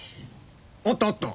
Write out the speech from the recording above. あったあった。